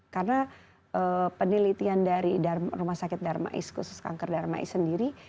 karena penelitian dari rumah sakit darmais khusus kanker darmais sendiri